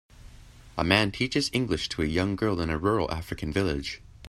A man teaches English to a young girl in a rural African village.